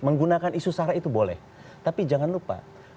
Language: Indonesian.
menggunakan isu sarah itu boleh tapi jangan lupa